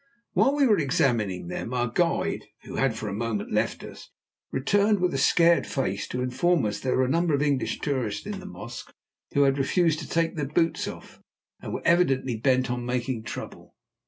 While we were examining them, our guide, who had for a moment left us, returned with a scared face to inform us that there were a number of English tourists in the mosque who had refused to take their boots off, and were evidently bent on making trouble.